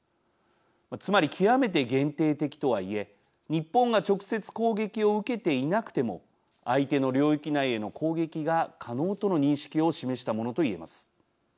つまり極めて限定的とはいえ日本が直接攻撃を受けていなくても相手の領域内への攻撃が可能との認識を示したものと言えます。